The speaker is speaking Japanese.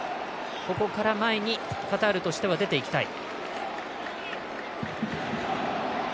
ここから前にカタールとしては出ていきたい。